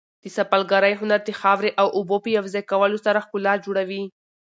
د سفالګرۍ هنر د خاورې او اوبو په یو ځای کولو سره ښکلا جوړوي.